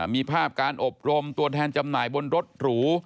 มีภาพการอบรมตัวแทนจำหน่ายบนรถหรู